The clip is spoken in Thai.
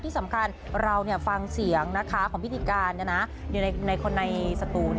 ที่สำคัญเราฟังเสียงของพิธีการอยู่ในคนในสตู